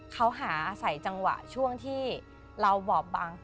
เขาหาอาศัยจังหวะช่วงที่เราบอบบาง